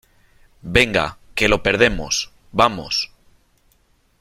venga , que lo perdemos .¡ vamos !